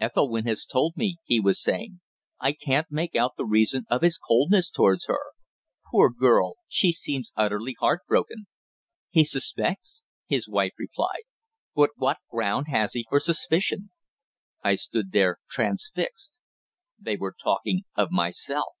"Ethelwynn has told me," he was saying. "I can't make out the reason of his coldness towards her. Poor girl! she seems utterly heart broken." "He suspects," his wife replied. "But what ground has he for suspicion?" I stood there transfixed. They were talking of myself!